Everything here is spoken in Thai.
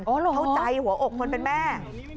เข้าใจหัวอกคนเป็นแม่